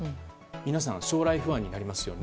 皆さん、将来不安になりますよね。